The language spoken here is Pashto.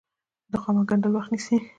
د خامک ګنډل وخت نیسي